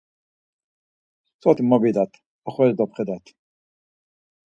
Soti mo vidat, oxoris dopxedat.